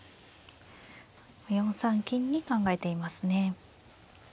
４三金に考えていますね。